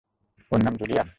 ওর নাম জুলিয়ান?